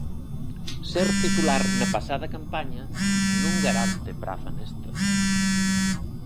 Ser titular na pasada campaña non garante praza nesta.